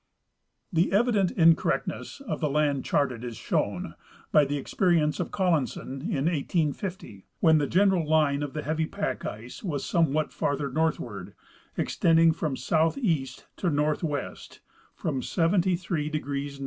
The evident incorrectness of the land charted is shown, by the experience of Colhnson in 1850, when the general line of the heavy 23ack ice Avas somewhat farther northward, extending from" southeast to northwest from 73° N.